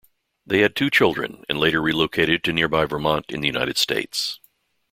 They had two children and later relocated to nearby Vermont in the United States.